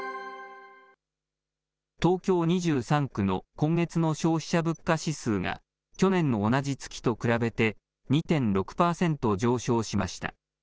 東京２３区の今月の消費者物価指数が、去年の同じ月と比べて２．６％上昇しました。